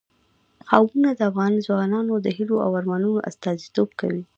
قومونه د افغان ځوانانو د هیلو او ارمانونو استازیتوب کوي.